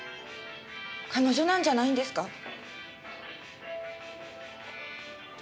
彼女なんじゃないんですか？